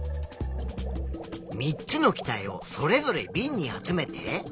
３つの気体をそれぞれビンに集めて。